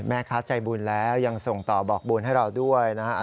แม่ค้าใจบุญแล้วยังส่งต่อบอกบุญให้เราด้วยนะฮะ